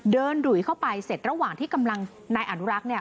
เดินดุ๋ยเข้าไปเสร็จระหว่างที่กำลังนายอนุรักษ์